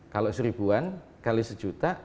kalau seribu an kali sejuta